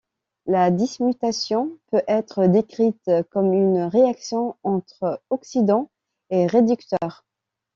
La dismutation peut être décrite comme une réaction entre oxydant et réducteur.